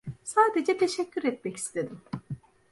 Sadece teşekkür etmek istedim.